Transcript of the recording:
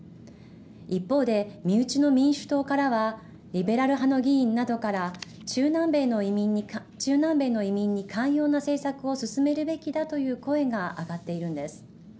一方で、身内の民主党からはリベラル派の議員などから中南米の移民に寛容な政策を進めるべきだという声が上がっているんです。